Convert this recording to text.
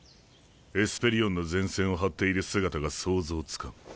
エスペリオンの前線を張っている姿が想像つかん。